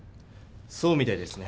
そうみたいですね。